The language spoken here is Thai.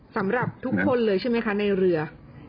สำหรับทุกคนเลยใช่ไหมคะในเรือ